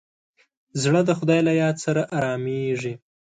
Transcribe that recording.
زړه د خدای له یاد سره ارامېږي.